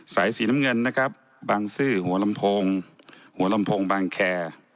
สายสีน้ำเงินนะครับบางซื่อหัวลำโพงหัวลำโพงบางแค